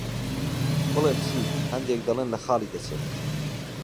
بڵێم چی، هەندێک دەڵێن لە خاڵی دەچێت.